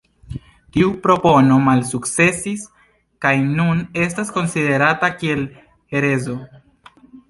Tiu propono malsukcesis kaj nun estas konsiderata kiel herezo.